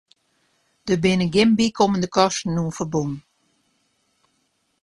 Der binne gjin bykommende kosten oan ferbûn.